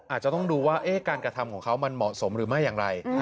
อาจจะต้องดูว่าการกระทำของเขามันเหมาะสมหรือไม่อย่างไร